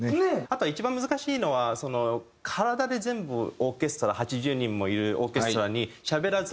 あとは一番難しいのは体で全部オーケストラ８０人もいるオーケストラに。